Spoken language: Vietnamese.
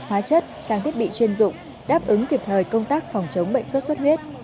hóa chất trang thiết bị chuyên dụng đáp ứng kịp thời công tác phòng chống bệnh sốt xuất huyết